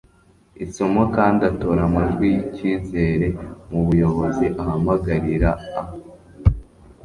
isomo kandi atora amajwi yicyizere mubuyobozi ahamagarira a